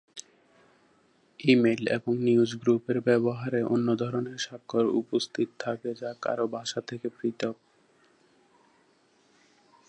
Email এবং news গ্রুপের ব্যবহারে, অন্য ধরনের স্বাক্ষর উপস্থিত থাকে যা কারও ভাষা থেকে পৃথক।